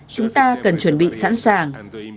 chúng ta cần chuẩn bị sẵn sàng